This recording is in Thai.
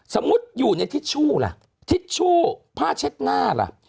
สมมุติอยู่ในทิชชู่ล่ะทิชชู่ผ้าเช็ดหน้าล่ะ